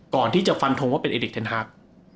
ก่อนที่จะฟันทงว่าเป็นเอลิกเทนฮัก